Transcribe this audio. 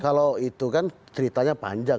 kalau itu kan ceritanya panjang